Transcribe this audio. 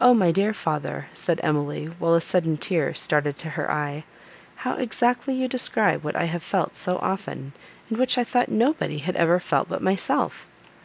"O my dear father," said Emily, while a sudden tear started to her eye, "how exactly you describe what I have felt so often, and which I thought nobody had ever felt but myself!